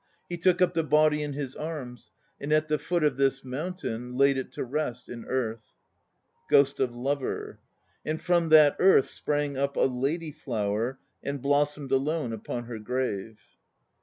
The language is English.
He took up the body in his arms, And at the foot of this mountain Laid it to rest in earth. GHOST OF LOVER. And from that earth sprang up A lady flower 1 and blossomed Alone upon her grave.